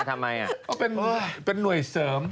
ก็เป็นหน่วยเสริม